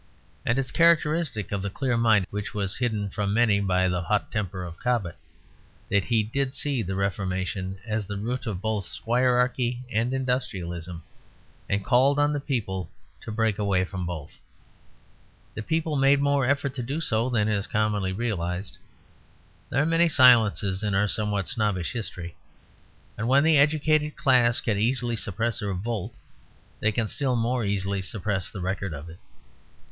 And it is characteristic of the clear mind which was hidden from many by the hot temper of Cobbett, that he did see the Reformation as the root of both squirearchy and industrialism, and called on the people to break away from both. The people made more effort to do so than is commonly realized. There are many silences in our somewhat snobbish history; and when the educated class can easily suppress a revolt, they can still more easily suppress the record of it.